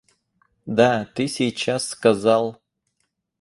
Да ты сейчас сказал...